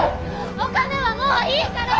お金はもういいから！